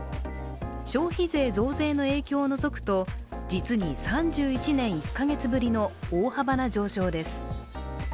消費税増税の影響を除くと実に３１年１か月ぶりの大幅な上昇です。